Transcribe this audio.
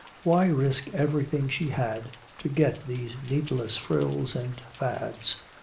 Why risk everything she had to get these needless frills and fads?